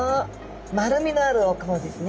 丸みのあるお顔ですね。